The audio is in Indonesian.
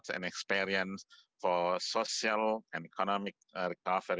tentang penyelesaian ekonomi dan sosial